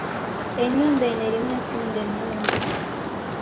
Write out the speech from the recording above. Ennyumba eno erimu ensonda ennungi.